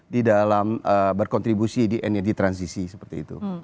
di dalam berkontribusi di energi transisi seperti itu